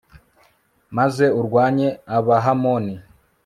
maze urwanye abahamoni